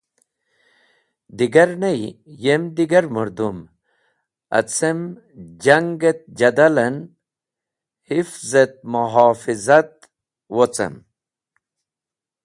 Digar ney, yem digar mũrdũm, acem jang et jadal en hifz et muhofizat wocen.